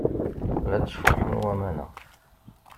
La ttfuḥun waman-a.